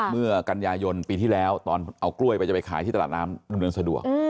เมื่อกันยายนปีที่แล้วตอนเอากล้วยไปจะไปขายที่ตลาดน้ำดำเนินสะดวก